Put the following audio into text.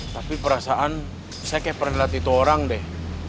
tapi perasaan saya kayak pernah lihat itu orang deh